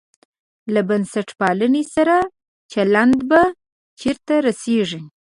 له بنسټپالنې سره چلند به چېرته رسېږي.